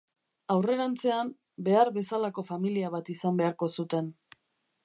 Aurrerantzean, behar bezalako familia bat izan beharko zuten.